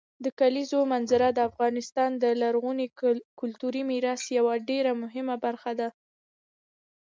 د کلیزو منظره د افغانستان د لرغوني کلتوري میراث یوه ډېره مهمه برخه ده.